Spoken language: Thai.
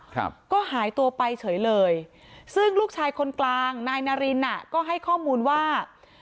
ครับก็หายตัวไปเฉยเลยซึ่งลูกชายคนกลางนายนารินอ่ะก็ให้ข้อมูลว่า